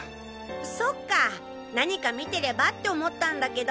そっかぁ何か見てればって思ったんだけど。